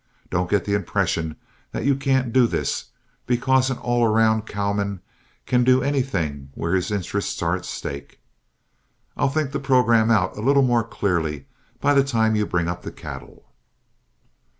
Don't get the impression that you can't do this, because an all round cowman can do anything where his interests are at stake. I'll think the programme out a little more clearly by the time you bring up the cattle."